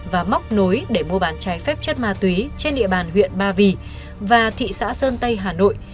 và móc nối để mua bán trái phép chất ma túy trên địa bàn huyện ba vì và thị xã sơn tây hà nội